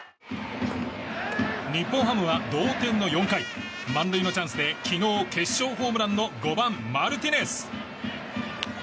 日本ハムは同点の４回満塁のチャンスで昨日、決勝ホームランの５番、マルティネス。